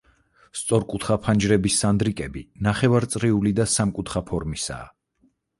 სწორკუთხა ფანჯრების სანდრიკები ნახევრაწრიული და სამკუთხა ფორმისაა.